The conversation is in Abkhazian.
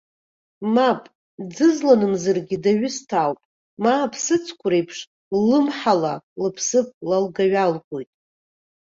Мап, дӡызланымзаргьы, даҩысҭаауп, ма аԥсыӡқәа реиԥш, ллымҳала лыԥсыԥ лалга-ҩалгоит.